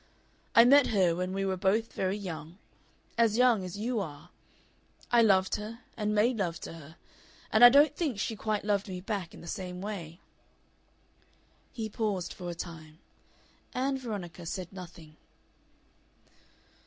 I met her when we were both very young, as young as you are. I loved her and made love to her, and I don't think she quite loved me back in the same way." He paused for a time. Ann Veronica said nothing.